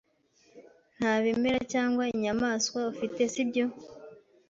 Nta bimera cyangwa inyamaswa ufite, sibyo?